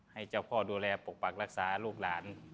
ให้เจ้าพ่อดูแลปกปักรักษาลูกหลาน